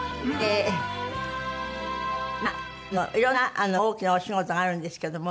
まあ色んな大きなお仕事があるんですけども。